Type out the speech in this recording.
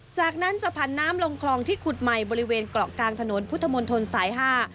จากนั้นจะผันน้ำลงคลองที่ขุดใหม่บริเวณเกาะกลางถนนพุทธมนตรสายห้า